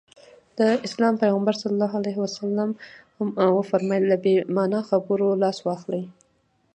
د اسلام پيغمبر ص وفرمايل له بې معنا خبرو لاس واخلي.